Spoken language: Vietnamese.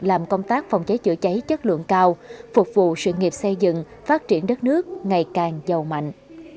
làm công tác phòng cháy chữa cháy chất lượng cao phục vụ sự nghiệp xây dựng phát triển đất nước ngày càng giàu mạnh